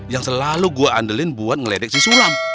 yang selalu gue andalin buat ngeledek si sulam